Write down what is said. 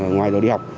ngoài giờ đi học